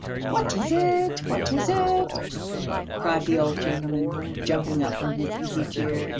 "What is it, what is it?" cried the old gentleman, jumping up from his easy chair.